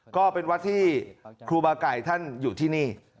ก็เป็นวัดที่ครูบาไก่ท่านอยู่ที่นี่